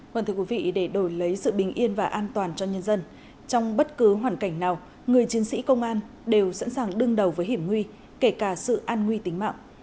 vâng thưa quý vị để đổi lấy sự bình yên và an toàn cho nhân dân trong bất cứ hoàn cảnh nào người chiến sĩ công an đều sẵn sàng đương đầu với hiểm nguy kể cả sự an nguy tính mạng